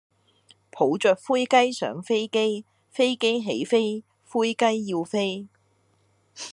抱著灰雞上飛機，飛機起飛，灰雞要飛